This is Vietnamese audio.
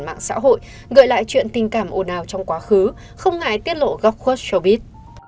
mạng xã hội gợi lại chuyện tình cảm ồn ào trong quá khứ không ngại tiết lộ góc khuất shobit